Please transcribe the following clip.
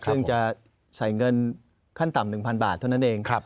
ซึ่งจะใส่เงินขั้นต่ำ๑๐๐บาทเท่านั้นเอง